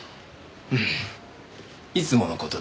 うんいつもの事だ。